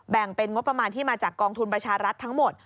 แบ่งเป็นงบประมาณที่มาจากกองทุนประชารัฐทั้งหมด